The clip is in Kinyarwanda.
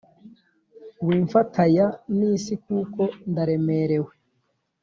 Wimfataya n’isi kuko ndaremerewe